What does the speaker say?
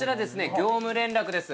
業務連絡です。